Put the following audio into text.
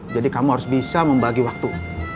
jadi kamu harus bisa membagi waktu